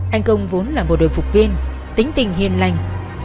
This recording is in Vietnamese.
anh công vốn là một đội phục viên tính tình hiền lành